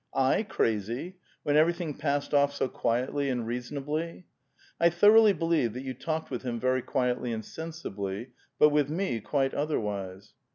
"I, crazy? When everything passed off so quietl}' and reasonably I "" I thoroughly believe that you talked with him very quietly and sensibly ; but with me, quite otherwise."